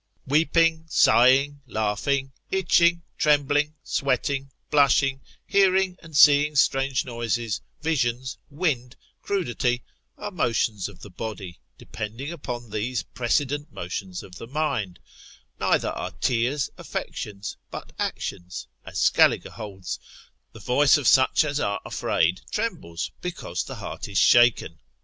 Weeping, sighing, laughing, itching, trembling, sweating, blushing, hearing and seeing strange noises, visions, wind, crudity, are motions of the body, depending upon these precedent motions of the mind: neither are tears, affections, but actions (as Scaliger holds) the voice of such as are afraid, trembles, because the heart is shaken (Conimb.